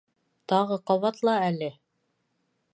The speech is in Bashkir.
Тағы ҡабатла әле?